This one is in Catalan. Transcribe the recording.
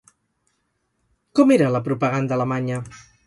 Com era la propaganda alemanya?